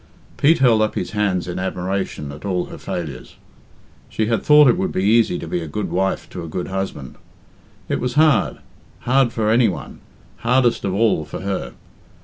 Pete held up his hands in admiration at all her failures. She had thought it would be easy to be a good wife to a good husband. It was hard hard for any one, hardest of all for her.